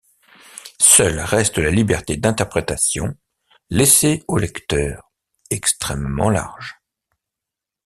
Seule reste la liberté d'interprétation laissée au lecteur, extrêmement large.